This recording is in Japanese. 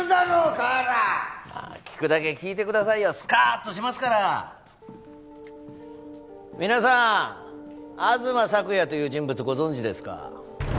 河原聞くだけ聞いてくださいよスカッとしますから皆さん東朔也という人物ご存じですか？